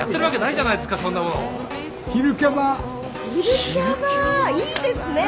いいですね。